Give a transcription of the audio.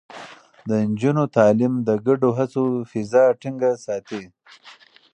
د نجونو تعليم د ګډو هڅو فضا ټينګه ساتي.